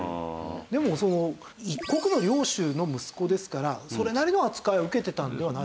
でも一国の領主の息子ですからそれなりの扱いを受けてたんではないですか？